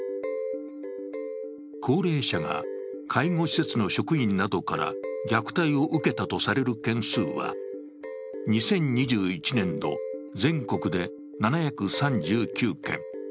高齢者が介護施設の職員などから虐待を受けたとされる件数は２０２１年度、全国で７３９件。